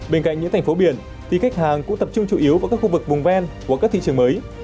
bên cạnh những thành phố biển thì khách hàng cũng tập trung chủ yếu vào các khu vực vùng ven của các thị trường mới